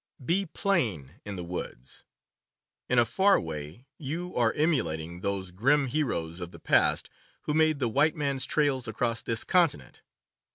Be plain in the woods. In a far way you are emulat ing those grim heroes of the past who made the white man's trails across this continent.